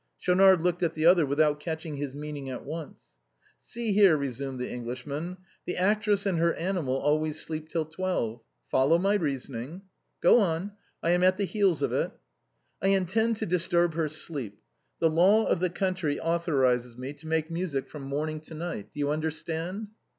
Schaunard looked at the other without catching his meaning at once. " See here," resumed the Englishman, " the actress and her animal always sleep till twelve. Follow my reason ing ''" Go on : I am at the heels of it." " I intend to disturb their sleep. The law of the country authorizes me to make music from morning to night. Do you understand